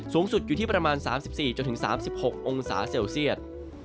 สูงสุดอยู่ที่ประมาณ๓๔๓๖องศาเซลเซียต